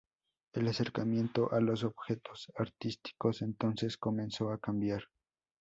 El acercamiento a los objetos artísticos entonces comenzó a cambiar.